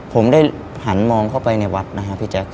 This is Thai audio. ผมได้หันมองเข้าไปในวัดนะครับพี่แจ๊ค